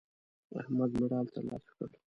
احمد مډال ترلاسه کړ.